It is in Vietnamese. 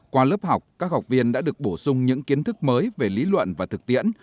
qua lớp học các học viên đã được bổ sung những kiến thức mới về lý luận và thực tiễn